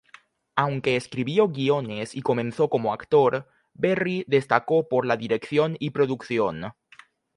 Aunque escribió guiones y comenzó como actor, Berri destacó por la dirección y producción.